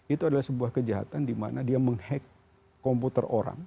itu adalah sebuah kejahatan dimana dia menghack komputer orang